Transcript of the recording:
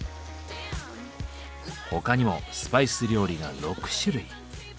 他にもスパイス料理が６種類。